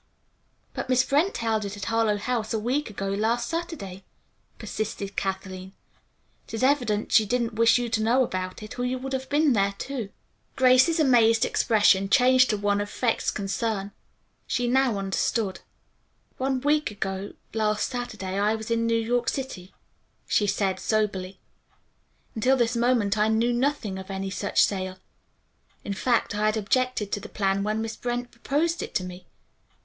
"But Miss Brent held it at Harlowe House a week ago last Saturday," persisted Kathleen. "It is evident she didn't wish you to know it or you would have been there, too." Grace's amazed expression changed to one of vexed concern. She now understood. "One week ago last Saturday I was in New York City," she said soberly. "Until this moment I knew nothing of any such sale. In fact I had objected to the plan when Miss Brent proposed it to me.